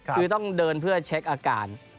คือต้องเดินเพื่อเช็คอาการ